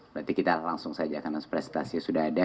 berarti kita langsung saja karena prestasinya sudah ada